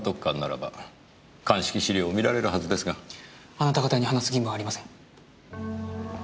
あなた方に話す義務はありません。